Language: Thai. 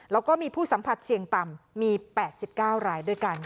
แล้วก็มีผู้สัมผัสเสี่ยงต่ำมี๘๙รายด้วยกัน